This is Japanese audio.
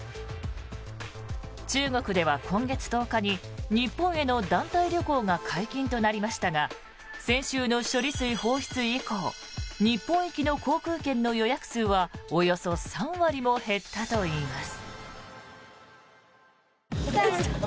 中国では今月１０日に日本への団体旅行が解禁となりましたが先週の処理水放出以降日本行きの航空券の予約数はおよそ３割も減ったといいます。